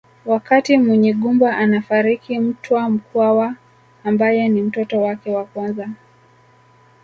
Wakati Munyigumba anafariki Mtwa Mkwawa ambaye ni mtoto wake wa kwanza